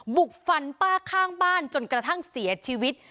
บุกฟันป้าข้างบ้านจนกระทั่งเสียชีวิต